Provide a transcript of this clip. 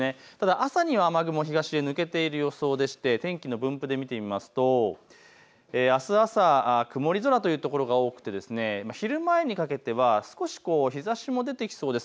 朝には雨雲、東に抜けている予想でして天気の分布で見てみますとあす朝、曇り空というところが多くて昼前にかけては少し日ざしも出てきそうです。